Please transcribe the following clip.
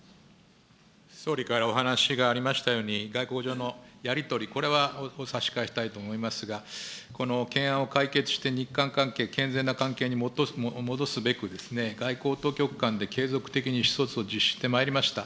総理からお話がありましたように、外交上のやり取り、これは差し控えたいと思いますが、この懸案を解決して、日韓関係、健全な関係に戻すべく、外交当局間で、継続的に意思疎通を実施してまいりました。